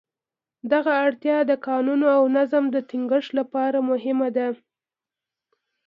دغه اړتیا د قانون او نظم د ټینګښت لپاره مهمه ده.